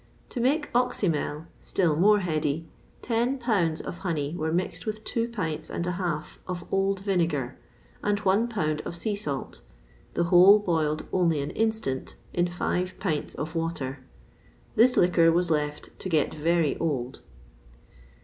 [XXVI 36] To make oxymel, still more heady, ten pounds of honey were mixed with two pints and a half of old vinegar, and one pound of sea salt; the whole boiled only an instant in five pints of water. This liquor was left to get very old.